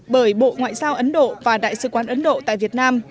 bởi bộ ngoại giao ấn độ và đại sứ quán ấn độ tại việt nam